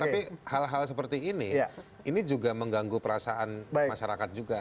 tapi hal hal seperti ini ini juga mengganggu perasaan masyarakat juga